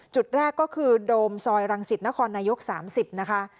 จุดแรกก็คือโดมซอยรังสิตนครนายก๓๐นะคะ